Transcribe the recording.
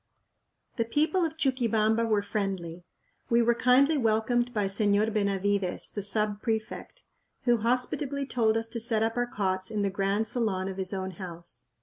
The people of Chuquibamba were friendly. We were kindly welcomed by Señor Benavides, the sub prefect, who hospitably told us to set up our cots in the grand salon of his own house.